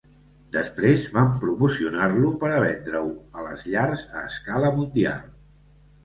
Després van promocionar-lo per a vendre-ho a les llars a escala mundial.